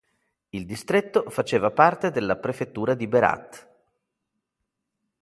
Il distretto faceva parte della prefettura di Berat.